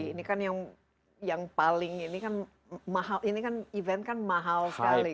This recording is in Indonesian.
ini kan yang paling ini kan event mahal sekali